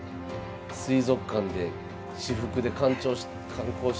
水族館で私服で観光してる。